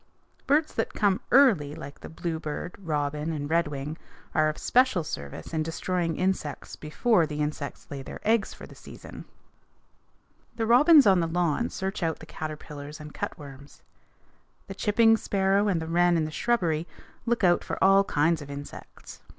Birds that come early, like the bluebird, robin, and redwing, are of special service in destroying insects before the insects lay their eggs for the season. The robins on the lawn search out the caterpillars and cutworms. The chipping sparrow and the wren in the shrubbery look out for all kinds of insects.